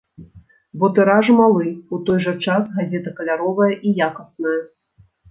Бо тыраж малы, у той жа час газета каляровая і якасная.